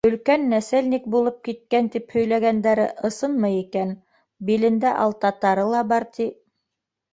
Өлкән нәсәлник булып киткән, тип һөйләгәндәре ысынмы икән, билендә алтатары ла бар, ти.